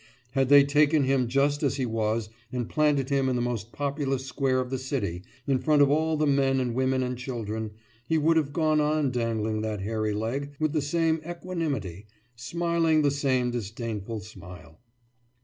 Had they taken him just as he was and planted him in the most populous square of the city, in front of all the men and women and children, he would have gone on dangling that hairy leg with the same equanimity, smiling the same disdainful smile.